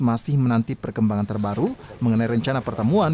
masih menanti perkembangan terbaru mengenai rencana pertemuan